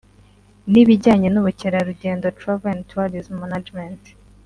n’ibijyanye n’ubukerarugendo (Travel and Tourism Management)